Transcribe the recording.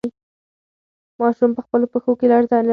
ماشوم په خپلو پښو کې لړزه لرله.